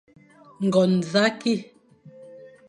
Ngon za ki,